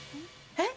えっ！